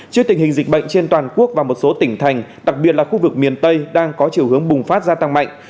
trước tình hình dịch bệnh trên toàn quốc và một số tỉnh thành đặc biệt là khu vực miền tây đang có chiều hướng bùng phát gia tăng mạnh